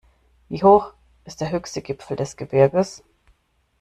Wie hoch ist der höchste Gipfel des Gebirges?